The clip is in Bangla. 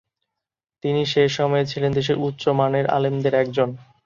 তিনি সে সময়ে ছিলেন দেশের উচ্চ মানের আলেমদের একজন।